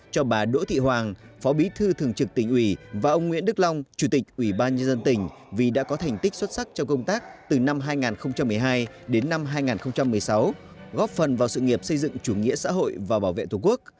cho bà đỗ thị hoàng phó bí thư thường trực tỉnh ủy và ông nguyễn đức long chủ tịch ủy ban nhân dân tỉnh vì đã có thành tích xuất sắc trong công tác từ năm hai nghìn một mươi hai đến năm hai nghìn một mươi sáu góp phần vào sự nghiệp xây dựng chủ nghĩa xã hội và bảo vệ tổ quốc